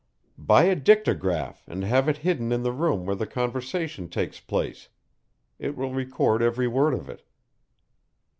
"Buy a dictograph and have it hidden in the room where the conversation takes place. It will record every word of it."